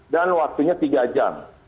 dan waktunya tiga jam